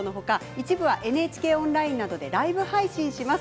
一部はＮＨＫオンラインなどでライブ配信します。